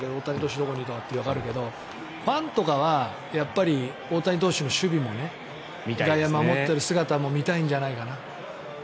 どこにいるかわかるけどファンとかは大谷投手の守備も外野を守っている姿も見たいんじゃないかな。